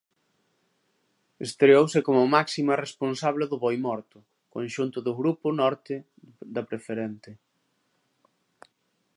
Estreouse como máxima responsable do Boimorto, conxunto do grupo norte da Preferente.